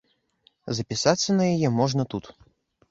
Запісацца на яе можна тут.